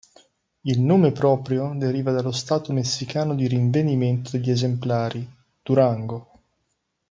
Il nome proprio deriva dallo stato messicano di rinvenimento degli esemplari: Durango.